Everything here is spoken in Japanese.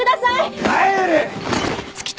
帰れ！